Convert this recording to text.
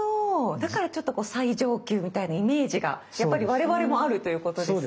だからちょっとこう最上級みたいなイメージがやっぱり我々もあるということですね。